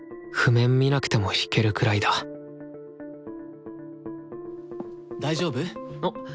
見なくても弾けるくらいだ大丈夫？